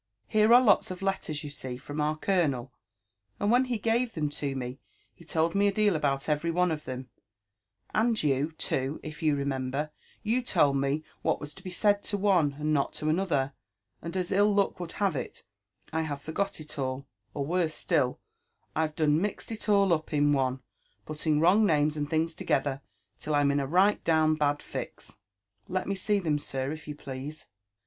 *' Here are lots of letters, you see, from our colonel : and when he gave them to me, he told me a deal about every one of them ;— and you, too, if you remember — you told me what was to be said to one, and not to another; and, as ill luck would have it, I have forgot it all,— or, worse still, I've gone done mixed it all up in one, putting wrong names and things together till Tm in a right down bad fix." Let me see them, sir, if you please.